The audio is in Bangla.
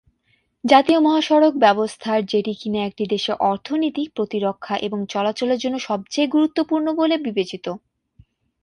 জাতীয় মহাসড়ক ব্যবস্থার যেটি কিনা একটি দেশের অর্থনীতি, প্রতিরক্ষা এবং চলাচলের জন্য সবচেয়ে গুরুত্বপূর্ণ বলে বিবেচিত।